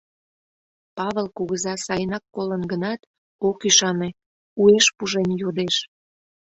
Павыл кугыза сайынак колын гынат, ок ӱшане, уэш пужен йодеш.